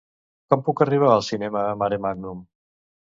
Com puc arribar al cinema Maremàgnum?